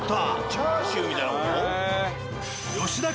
チャーシューみたいな事？